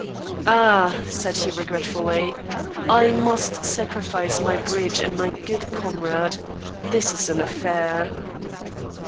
"Ah!" said he regretfully, "I must sacrifice my bridge and my good comrade. This is an affair!"